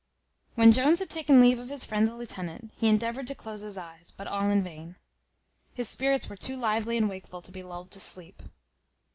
When Jones had taken leave of his friend the lieutenant, he endeavoured to close his eyes, but all in vain; his spirits were too lively and wakeful to be lulled to sleep.